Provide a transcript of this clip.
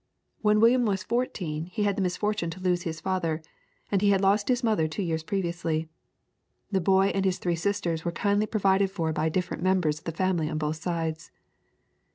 When William was fourteen he had the misfortune to lose his father; and he had lost his mother two years previously. The boy and his three sisters were kindly provided for by different members of the family on both sides.